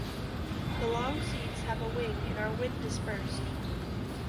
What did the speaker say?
The long seeds have a wing and are wind-dispersed.